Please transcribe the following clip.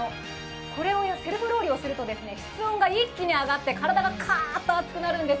セルフロウリュをすると室温が一気に上がって体がかーっと暑くなるんです。